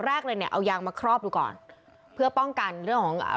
แรกเลยเนี่ยเอายางมาครอบดูก่อนเพื่อป้องกันเรื่องของอ่า